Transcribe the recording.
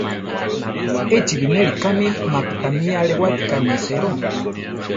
Échi binéli kámi mapi tamí arewátika neséro.